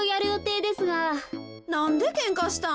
なんでけんかしたん？